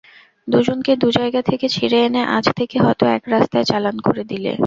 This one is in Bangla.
দুজনকে দু জায়গা থেকে ছিঁড়ে এনে আজ থেকে হয়তো এক রাস্তায় চালান করে দিলে।